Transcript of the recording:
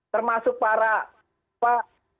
termasuk para pak